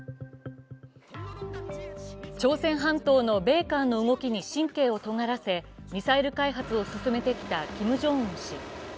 朝鮮半島の米韓の動きに神経を尖らせミサイル開発を進めてきたキム・ジョンウン氏。